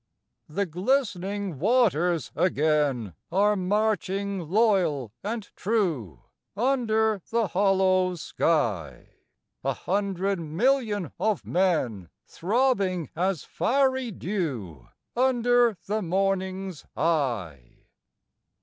II. The glistening waters again Are marching loyal and true Under the hollow sky, A hundred million of men Throbbing as fiery dew Under the morning's eye!